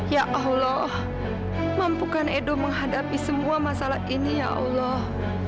ya allah mampukan edo menghadapi semua masalah ini ya allah